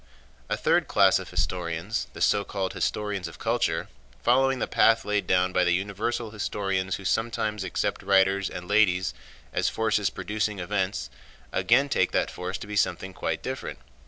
A third class of historians—the so called historians of culture—following the path laid down by the universal historians who sometimes accept writers and ladies as forces producing events—again take that force to be something quite different.